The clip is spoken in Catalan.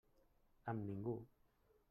Amb ningú.